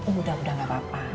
udah udah gak apa apa